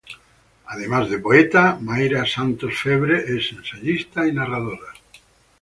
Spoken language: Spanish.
Además de poeta, Mayra Santos-Febres es ensayista, y narradora.